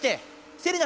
セリナ。